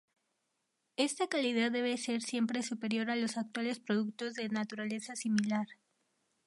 Esta calidad debe ser siempre superior a los actuales productos de naturaleza similar.